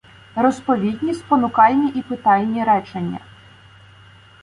Розповідні, спонукальні і питальні речення